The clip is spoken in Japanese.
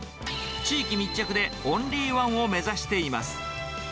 地域密着でオンリーワンを目指しています。